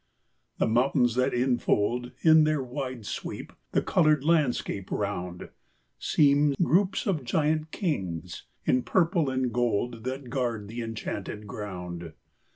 The mountains that infold, In their wide sweep, the coloured landscape round, Seem groups of giant kings, in purple and gold, That guard the enchanted ground.